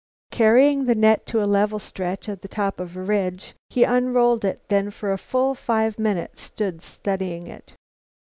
Carrying the net to a level stretch at the top of a ridge, he unrolled it, then for a full five minutes stood studying it.